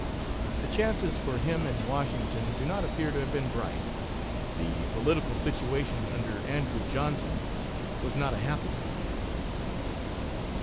The chances for him in Washington do not appear to have been bright. The political situation under Andrew Johnson was not a happy one.